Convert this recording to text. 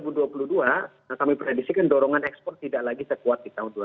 nah kami predisikan dorongan ekspor tidak lagi sekuat di tahun dua ribu dua puluh